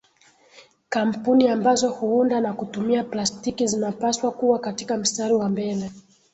Kampuni ambazo huunda na kutumia plastiki zinapaswa kuwa katika mstari wa mbele